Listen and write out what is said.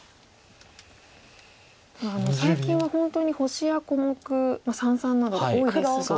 最近は本当に星や小目三々など多いですが。